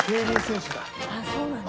あっそうなんだ。